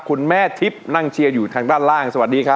คุณแม่ทิพย์นั่งเชียร์อยู่ทางด้านล่างสวัสดีครับ